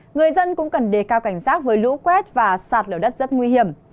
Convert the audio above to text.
người dân cũng cần đề cao cảnh sát với lũ quét và sạt lửa đất rất nguy hiểm